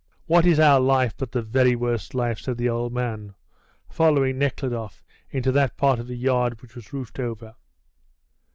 "What is our life but the very worst life?" said the old man, following Nekhludoff into that part of the yard which was roofed over.